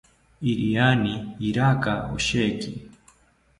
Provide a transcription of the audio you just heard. iriani iraka osheki